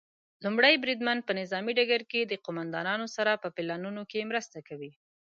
لومړی بریدمن په نظامي ډګر کې د قوماندانانو سره په پلانونو کې مرسته کوي.